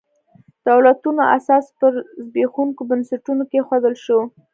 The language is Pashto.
دولتونو اساس پر زبېښونکو بنسټونو کېښودل شو.